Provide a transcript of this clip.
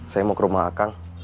saya mau ke rumah akang